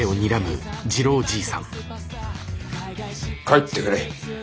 帰ってくれ。